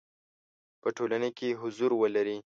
په ټولنه کې حضور ولري.